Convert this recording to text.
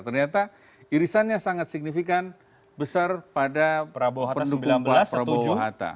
ternyata irisannya sangat signifikan besar pada pendukung pak prabowo johata